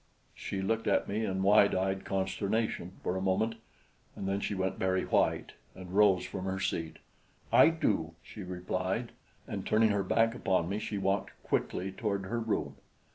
She looked at me in wide eyed consternation for a moment, and then she went very white and rose from her seat. "I do," she replied, and turning her back upon me, she walked quickly toward her room.